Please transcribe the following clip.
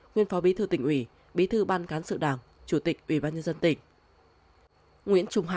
nguyên phó bí thư tỉnh ủy bí thư ban cán sự đảng chủ tịch ủy ban nhân dân tỉnh nguyễn trung hải